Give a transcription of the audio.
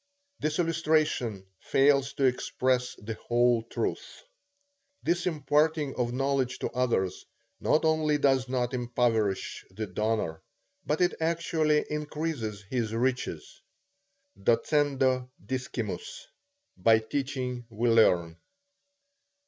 The illustration fails to express the whole truth. This imparting of knowledge to others, not only does not impoverish the donor, but it actually increases his riches. Docendo discimus. By teaching we learn.